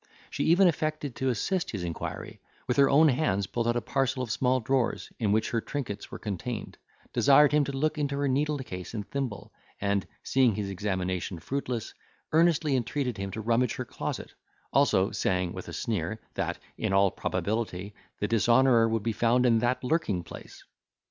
She even affected to assist his inquiry; with her own hands pulled out a parcel of small drawers, in which her trinkets were contained; desired him to look into her needlecase and thimble, and, seeing his examination fruitless, earnestly intreated him to rummage her closet also, saying, with a sneer, that, in all probability, the dishonourer would be found in that lurking place.